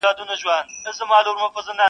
انصاف نه دی ترافیک دي هم امام وي-